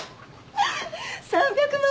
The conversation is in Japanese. ３００万！